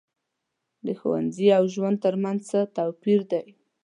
د ښوونځي او ژوند تر منځ څه توپیر دی.